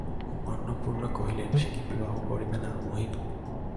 অন্নপূর্ণা কহিলেন, সে কি বিবাহ করিবে না, মহিন।